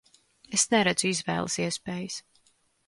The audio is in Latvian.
Es neredzu izvēles iespējas.